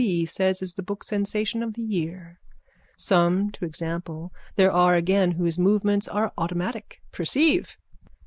B. says is the book sensation of the year. Some, to example, there are again whose movements are automatic. Perceive.